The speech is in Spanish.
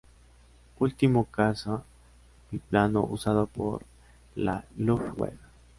Último caza biplano usado por la Luftwaffe.